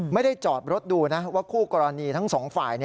ไม่ได้จอดรถดูนะว่าคู่กรณีทั้งสองฝ่าย